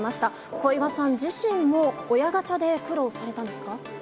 小岩さん自身も、親ガチャで苦労されたんですか？